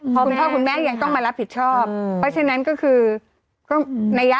ก็ออกมาเป็นประธาตุฐานแล้วหรือเปล่า